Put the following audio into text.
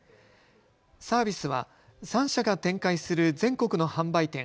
サービスは３社が展開する全国の販売店